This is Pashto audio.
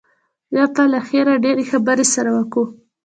بيا به له خيره ډېرې خبرې سره وکو.